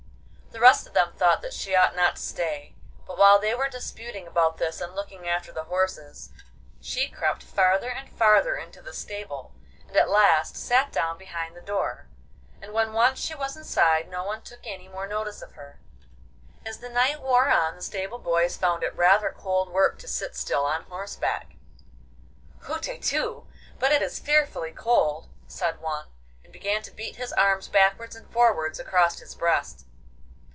The rest of them thought that she ought not to stay, but while they were disputing about this and looking after the horses, she crept farther and farther into the stable, and at last sat down behind the door, and when once she was inside no one took any more notice of her. As the night wore on the stable boys found it rather cold work to sit still on horseback. 'Hutetu! But it is fearfully cold!' said one, and began to beat his arms backwards and forwards across his breast.